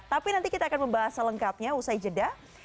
tapi nanti kita akan membahas selengkapnya usai jeda